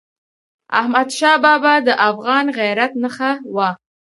احمدشاه بابا د افغان غیرت نښه وه.